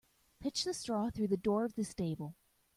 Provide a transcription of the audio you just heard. Pitch the straw through the door of the stable.